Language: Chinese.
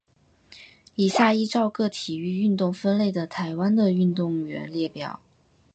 以下依照各体育运动分类的台湾的运动员列表。